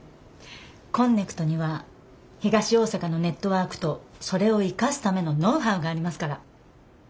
こんねくとには東大阪のネットワークとそれを生かすためのノウハウがありますから。